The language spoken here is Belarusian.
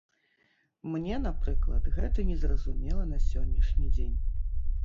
Мне, напрыклад, гэта незразумела на сённяшні дзень.